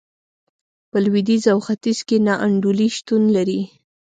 په لوېدیځ او ختیځ کې نا انډولي شتون لري.